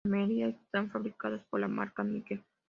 Almería están fabricadas por la marca Nike.